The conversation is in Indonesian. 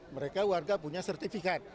mereka warga punya sertifikat